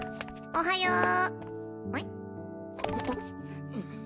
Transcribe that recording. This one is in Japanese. おはよう。